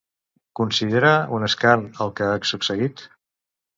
Considera un escarn el que ha succeït?